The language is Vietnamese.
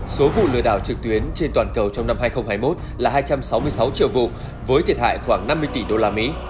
số vụ lừa đảo trực tuyến trên toàn cầu trong năm hai nghìn hai mươi một là hai trăm sáu mươi sáu triệu vụ với thiệt hại khoảng năm mươi tỷ đô la mỹ